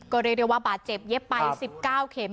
ก็เรียกได้ว่าบาดเจ็บเย็บไป๑๙เข็ม